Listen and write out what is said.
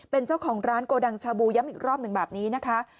เป็นเจ้าของร้านโกดังชาบูย้ำอีกรอบหนึ่งแบบนี้นะคะ